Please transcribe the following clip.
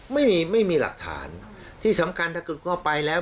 ไม่มีไม่มีหลักฐานที่สำคัญถ้าคุณเข้าไปแล้ว